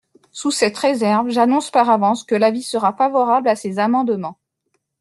Sous cette réserve, j’annonce par avance que l’avis sera favorable à ces amendements.